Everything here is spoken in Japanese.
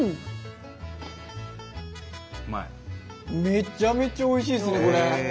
めちゃめちゃおいしいですねこれ。